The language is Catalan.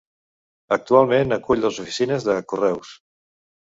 Actualment acull les oficines de Correus.